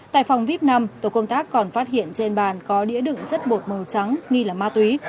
tại phòng vip năm tổ công tác còn phát hiện trên bàn có đĩa đựng chất bột màu trắng nghi là ma túy